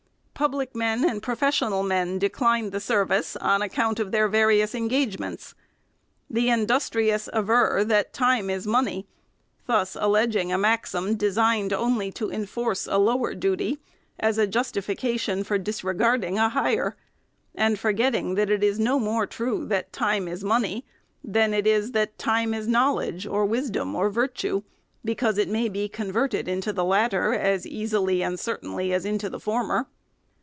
Public men and professional men decline the service on account of their various engagements. The industrious aver, that " time is money ;" thus alleging a maxim, designed only to en force a lower duty, as a justification for disregarding a higher ; and forgetting that it is no more true that " time is money " than it is that " time is knowledge, or wisdom, or virtue," because it may be converted into the latter, as easily and certainly as into the former.